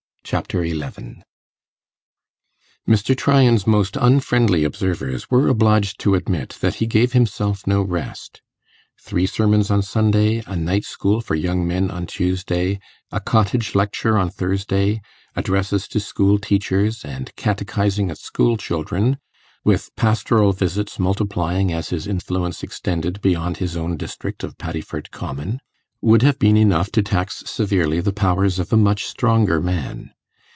Chapter 11 Mr. Tryan's most unfriendly observers were obliged to admit that he gave himself no rest. Three sermons on Sunday, a night school for young men on Tuesday, a cottage lecture on Thursday, addresses to school teachers, and catechizing of school children, with pastoral visits, multiplying as his influence extended beyond his own district of Paddiford Common, would have been enough to tax severely the powers of a much stronger man.